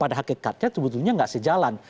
pada hakikatnya sebetulnya nggak sejalan